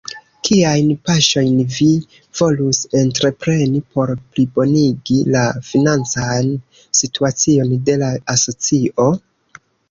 Kiajn paŝojn vi volus entrepreni por plibonigi la financan situacion de la asocio?